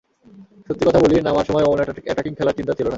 সত্যি কথা বলি, নামার সময় অমন অ্যাটাকিং খেলার চিন্তা ছিল না।